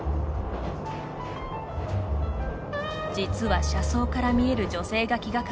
実は車窓から見える女性が気がかりで